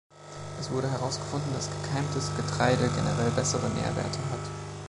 Es wurde herausgefunden, dass gekeimtes Getreide generell bessere Nährwerte hat.